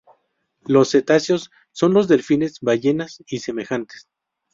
Los cetáceos son los delfines, ballenas y semejantes.